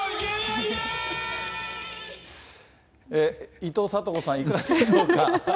伊藤聡子さん、いかがでしょうか。